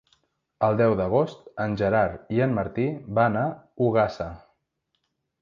El deu d'agost en Gerard i en Martí van a Ogassa.